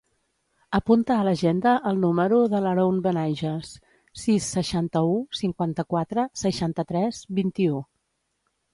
Apunta a l'agenda el número de l'Haroun Benaiges: sis, seixanta-u, cinquanta-quatre, seixanta-tres, vint-i-u.